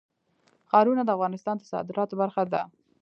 ښارونه د افغانستان د صادراتو برخه ده.